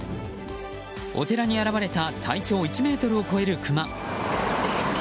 お寺に現れた体長１ｍを超えるクマ。